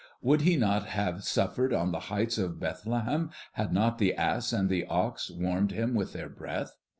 Would He not have suffered on the heights of Bethlehem had not the ass and the ox warmed Him with their breath?